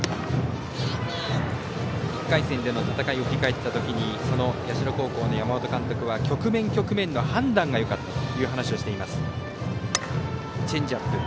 １回戦での戦いを振り返った時にその社高校の山本監督は局面局面の判断がよかったという話をしています。